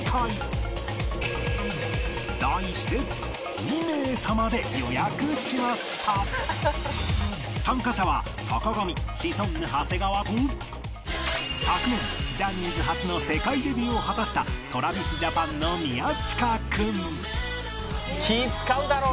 題して参加者は坂上シソンヌ長谷川と昨年ジャニーズ初の世界デビューを果たした ＴｒａｖｉｓＪａｐａｎ の宮近君気ぃ使うだろうな。